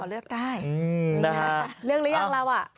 ก็หล่อเลือกได้เลือกแล้วยังเรา